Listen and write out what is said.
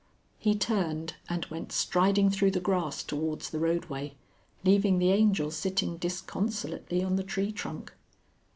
He turned, and went striding through the grass towards the roadway, leaving the Angel sitting disconsolately on the tree trunk.